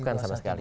bukan sama sekali